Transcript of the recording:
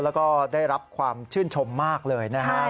แล้วก็ได้รับความชื่นชมมากเลยนะครับ